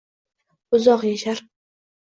Uzoq yashar